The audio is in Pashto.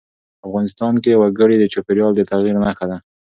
افغانستان کې وګړي د چاپېریال د تغیر نښه ده.